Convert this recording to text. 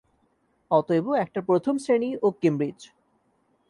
অতএব একটা প্রথম শ্রেণি ও কেমব্রিজ।